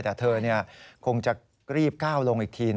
แต่เธอคงจะรีบก้าวลงอีกที